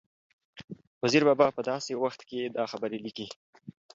وزیر بابا په داسې وخت کې دا خبرې لیکلي